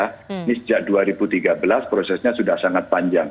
ini sejak dua ribu tiga belas prosesnya sudah sangat panjang